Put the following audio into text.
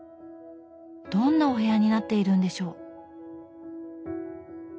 どんなお部屋になっているんでしょう。